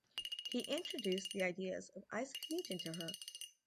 He introduced the ideas of Isaac Newton to her.